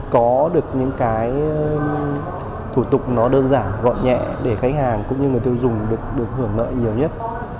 có được những cái thủ tục nó đơn giản gọn nhẹ để khách hàng cũng như người tiêu dùng được hưởng lợi nhiều nhất